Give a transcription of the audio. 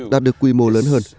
đạt được quy mô lớn hơn